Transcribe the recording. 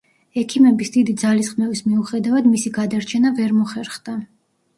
ექიმების დიდი ძალისხმევის მიუხედავად მისი გადარჩენა ვერ მოხერხდა.